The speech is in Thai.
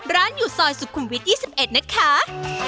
อยู่ซอยสุขุมวิท๒๑นะคะ